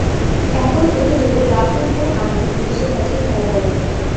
একই অভিযোগে রাহুল ও আনু পুলিশের কাছে ধরা পরেন।